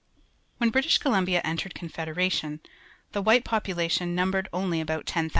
When British Cohunlsia entered Confedei ation, the white population numbered only about 10,000.